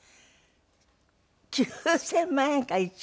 ９０００万円から１億？